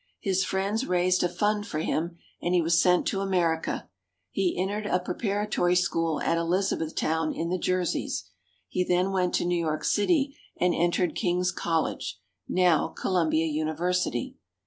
His friends raised a fund for him, and he was sent to America. He entered a preparatory school at Elizabethtown in the Jerseys. He then went to New York City, and entered King's College, now Columbia University.